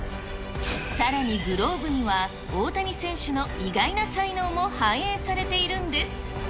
さらにグローブには、大谷選手の意外な才能も反映されているんです。